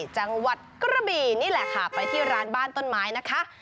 จังหวัดกระบีนี่แหละค่ะไปที่ร้านบ้านต้นไม้นะคะ